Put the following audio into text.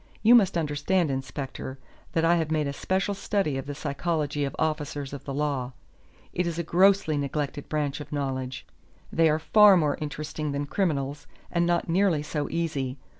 You must understand, inspector, that I have made a special study of the psychology of officers of the law. It is a grossly neglected branch of knowledge. They are far more interesting than criminals, and not nearly so easy.